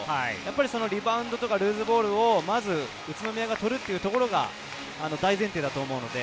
リバウンドとかルーズボールとかを宇都宮が取るということが大前提だと思います。